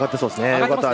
良かった。